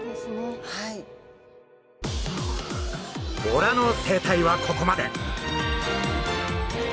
ボラの生態はここまで。